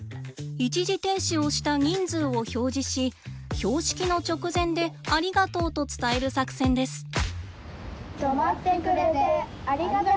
一時停止をした人数を表示し標識の直前で「ありがとう」と伝える作戦です。